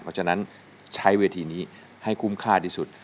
เพราะฉะนั้นใช้เวทีนี้ให้คุ้มค่าที่สุด